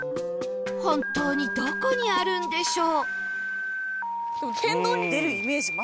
本当にどこにあるんでしょう？